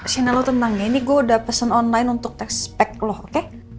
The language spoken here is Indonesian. sienna lo tenang ya ini gue udah pesen online untuk test pack lo oke